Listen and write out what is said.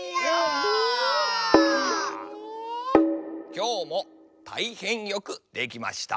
きょうもたいへんよくできました。